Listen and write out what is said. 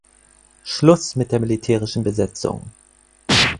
Schluss mit der militärischen Besetzung!